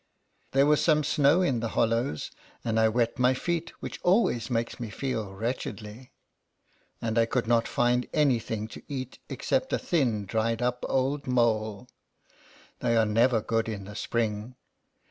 There was some snow in the hollows, and I wet my feet, which always makes me feel wretchedly ; 40 LETTERS FROM A CAT. and I could not find any thing to eat except a thin dried up old mole. They are never good in the spring.